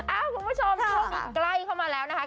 คุณผู้ชมช่วงนี้ใกล้เข้ามาแล้วนะคะ